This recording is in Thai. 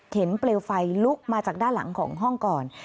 เปลวไฟลุกมาจากด้านหลังของห้องก่อน